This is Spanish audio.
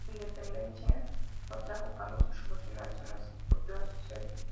La independencia no trajo cambios revolucionarios en las estructuras sociales.